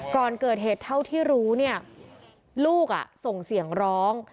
ก่อนเกิดเหตุเท่าที่รู้เนี่ยลูกส่งเสียงร้อง